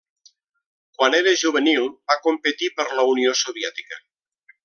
Quan era juvenil va competir per la Unió Soviètica.